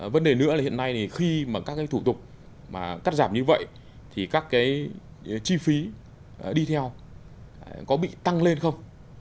vấn đề nữa là hiện nay thì khi mà các cái thủ tục cắt giảm như vậy thì các cái chi phí đi theo có bị tăng lên không